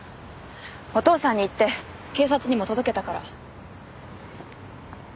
お父さんに言って警察にも届けたから。